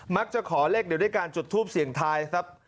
มักจะขอเลขเดี๋ยวด้วยการจุดทูปเสียงทายครับ